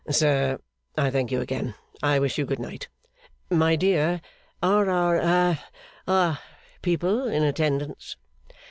'Sir, I thank you again, I wish you good night. My dear, are our ha our people in attendance?